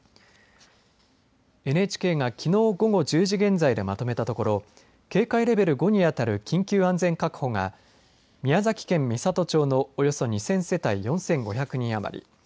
ＮＨＫが、きのう午後１０時現在でまとめたところ警戒レベル５に当たる緊急確保が宮崎県美郷町のおよそ２０００世帯４５００人余り。